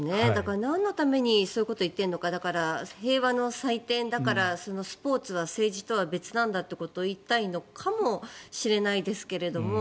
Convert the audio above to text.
なんのためにそういうことを言っているのかだから、平和の祭典だからスポーツは政治とは別なんだということを言いたいのかもしれないですけど